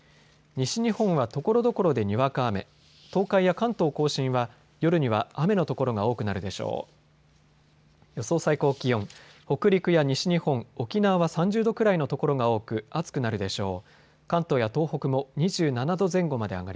西日本はところどころでにわか雨、東海や関東甲信は夜には雨の所が多くなるでしょう。